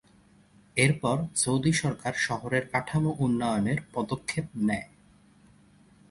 এর পর সৌদি সরকার শহরের কাঠামো উন্নয়নের পদক্ষেপ নেয়।